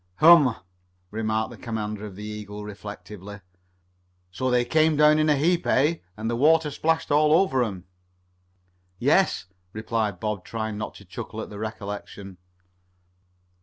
"Hum," remarked the commander of the Eagle reflectively. "So they came down in a heap, eh, and the water splashed all over 'em?" "Yes," replied Bob, trying not to chuckle at the recollection.